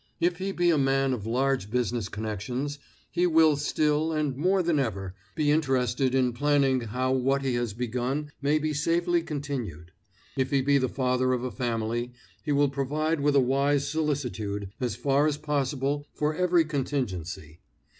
If he be a man of large business connections, he will still, and more than ever, be interested in planning how what he has begun may be safely continued. If he be the father of a family, he will provide with a wise solicitude, as far as possible, for every contingency.